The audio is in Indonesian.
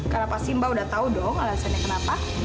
karena pak simba udah tahu dong alasannya kenapa